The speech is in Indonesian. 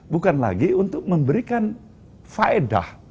bukan lagi untuk memberikan faedah